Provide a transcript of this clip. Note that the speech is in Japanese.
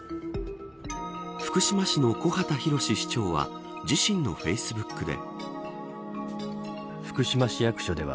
福島市の木幡浩市長は自身のフェイスブックで。